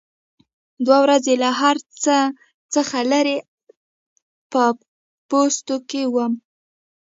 دوه ورځې له هر څه څخه لرې په پوستو کې وم.